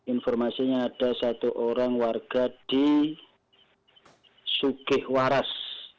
informasinya ada satu orang warga di sugihwaras